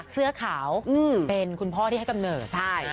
เสื้อขาวเป็นคุณพ่อที่ให้กำเนิด